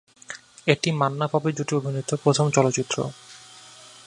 এটি "মান্না-পপি" জুটি অভিনীত প্রথম চলচ্চিত্র।